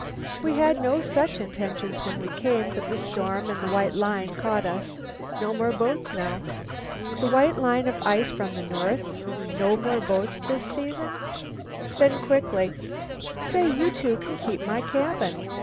"We had no such intentions when we came, but the storm and the white line caught us. No more boats now." "The white line of ice from the north? No more boats this season?" Then quickly, "Say, you two can keep my cabin.